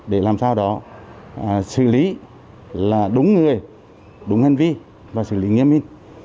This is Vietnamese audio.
để làm sao đó xử lý là đúng người đúng hành vi và xử lý nghiêm minh